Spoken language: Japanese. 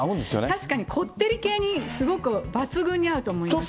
確かに、こってり系に抜群に合うと思います。